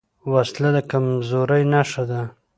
وسله د کمزورۍ نښه ده